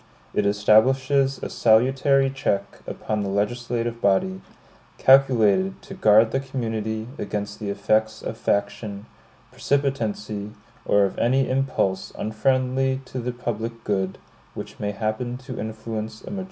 It establishes a salutary check upon the legislative body, calculated to guard the community against the effects of faction, precipitancy, or of any impulse unfriendly to the public good, which may happen to influence a majority of that body.